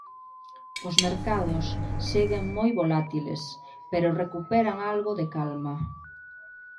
Os mercados seguen moi volátiles, pero recuperan algo de calma.